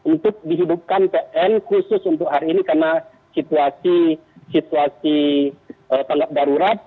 untuk dihidupkan pn khusus untuk hari ini karena situasi tanggap darurat